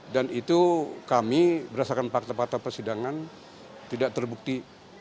dan itu kami berdasarkan fakta fakta persidangan tidak terbukti